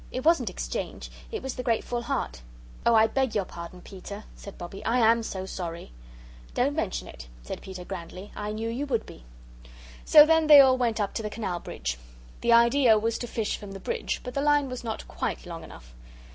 It wasn't exchange. It was the grateful heart." "Oh, I BEG your pardon, Peter," said Bobbie, "I AM so sorry." "Don't mention it," said Peter, grandly, "I knew you would be." So then they all went up to the Canal bridge. The idea was to fish from the bridge, but the line was not quite long enough.